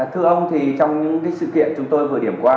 thưa ông thì trong những sự kiện chúng tôi vừa điểm qua